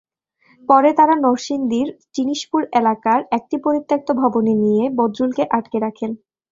পরে তাঁরা নরসিংদীর চিনিশপুর এলাকার একটি পরিত্যক্ত ভবনে নিয়ে বদরুলকে আটকে রাখেন।